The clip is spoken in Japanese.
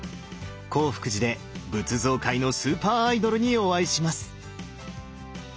興福寺で仏像界のスーパーアイドルにお会いします！